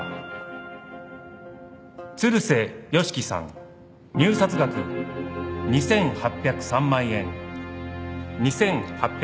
鶴瀬良樹さん入札額２８０３万円２８０３万円。